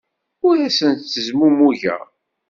Ur asen-ttezmumugeɣ.